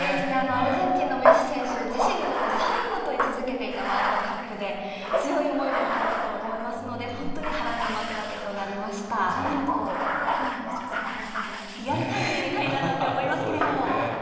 アルゼンチンのめっし選手、自身にとって最後と位置づけていたワールドカップで、強い思いもあったと思いますので、そうなると、今夜の初戦は、本当にリアルタイムで見たいななんて思いますけれども。